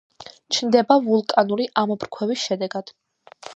ჩნდება ვულკანური ამოფრქვევის შედეგად.